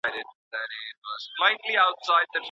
موږ چيري د خپلو ستونزو لپاره تر ټولو ښې حل لاري مومو؟